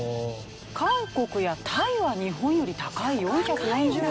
韓国やタイは日本より高い４４０円。